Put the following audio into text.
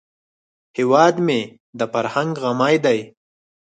هیواد مې د فرهنګ غمی دی